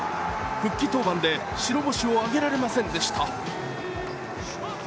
復帰登板で白星をあげられませんでした。